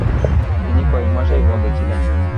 তিনি কয়েকমাস এ পদে ছিলেন।